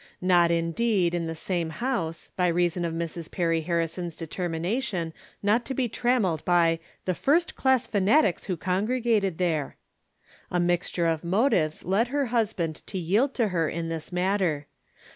Not, indeed, in the same house, by reason of Mrs. Perry Harrison's deter mination not to be trammeled by the " first class fanatics who congregated there." A mixture of motives led her husband to yield to her in this matter.